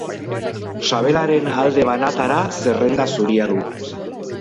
Sabelaren alde banatara zerrenda zuria du.